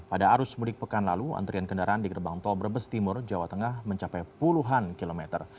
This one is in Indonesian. pada arus mudik pekan lalu antrian kendaraan di gerbang tol brebes timur jawa tengah mencapai puluhan kilometer